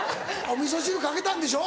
おみそ汁かけたんでしょ？